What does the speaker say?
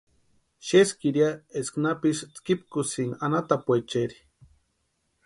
Xeskiri ya eska napisï tskipusïnka anhatapuecheri.